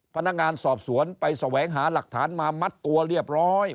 พนักงานสอบสวนไปแสวงหาหลักฐานมามัดตัวเรียบร้อย